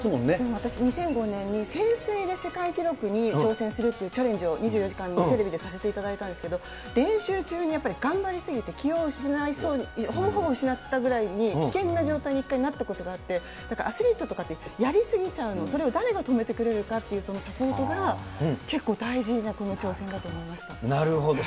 私、２００５年に潜水の世界記録に挑戦するってチャレンジを２４時間テレビ出させていただいたんですけれども、練習中に、やっぱり頑張り過ぎて、気を失いそうにほぼ失ったぐらいに、危険な状態に一回なったことがあって、だから、アスリートとかって、やり過ぎちゃうの、それを誰が止めてくれるかという、そのサポートが、なるほど。